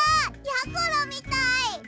やころみたい。